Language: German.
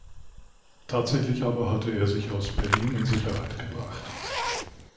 Tatsächlich aber hatte er sich aus Berlin in Sicherheit gebracht.